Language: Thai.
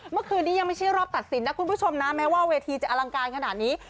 เมื่อคืนนี้ยังไม่ใช่รอบตัดสินนะคุณผู้ชมนะแม้ว่าเวทีจะอลังการขนาดนี้